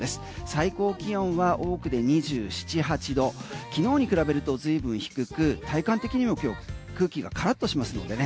最高気温は多くで２７８度昨日に比べるとずいぶん低く体感的にも今日空気がからっとしますんでね。